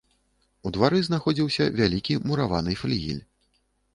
У двары знаходзіўся вялікі мураваны флігель.